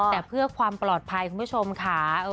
แต่เพื่อความปลอดภัยคุณผู้ชมค่ะ